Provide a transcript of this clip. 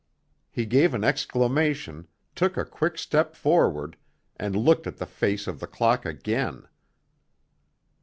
He gave an exclamation, took a quick step forward, and looked at the face of the clock again.